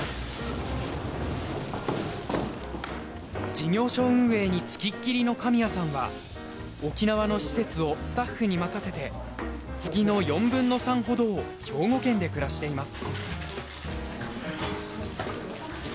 事業所運営につきっきりの神谷さんは沖縄の施設をスタッフに任せて月の４分の３ほどを兵庫県で暮らしています。